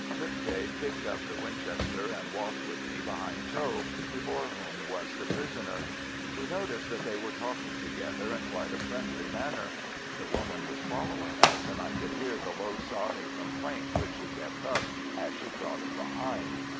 Lipthay picked up the Winchester, and walked with me behind Tho, before whom was the prisoner. We noticed that they were talking together in quite a friendly manner. The woman was following us, and I could hear the low sobbing complaint which she kept up as she trotted behind.